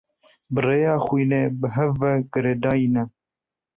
Bi rêya xwînê bi hev ve girêdayî ne.